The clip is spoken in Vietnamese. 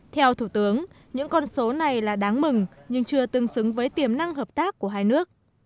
theo thủ tướng những con số này là đáng mừng nhưng chưa tương xứng với tiềm năng hợp tác của hai nước